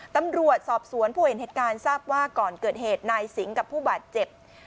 ตำรวจสอบสวนผู้เห็นเหตุการณ์ทราบว่าก่อนเกิดเหตุนายสิงกับผู้บาดเจ็บ